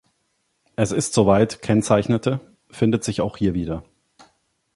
Es ist soweit" kennzeichnete, findet sich auch hier wieder.